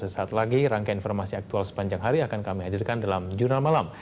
sesaat lagi rangkaian informasi aktual sepanjang hari akan kami hadirkan dalam jurnal malam